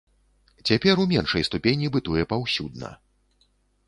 Цяпер у меншай ступені бытуе паўсюдна.